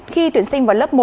khi tuyển sinh vào lớp một